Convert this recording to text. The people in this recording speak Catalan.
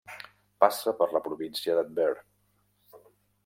Passa per la província de Tver.